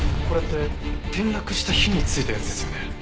これって転落した日に付いたやつですよね？